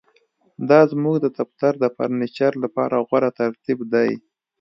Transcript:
دا زموږ د دفتر د فرنیچر لپاره غوره ترتیب دی